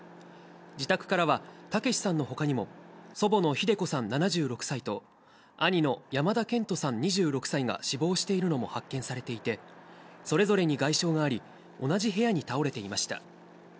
自宅からは、毅さんのほかにも、祖母の秀子さん７６歳と、兄の山田健人さん２６歳が死亡しているのも発見されていて、それぞれに外傷があり、同じ部屋に倒れていました。